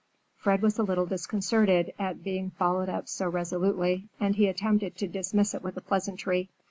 Fred was a little disconcerted at being followed up so resolutely, and he attempted to dismiss it with a pleasantry.